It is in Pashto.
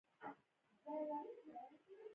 د نړۍ د هنر په تاریخ کې ارزښت لري